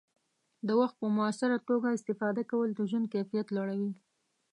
د وخت په مؤثره توګه استفاده کول د ژوند کیفیت لوړوي.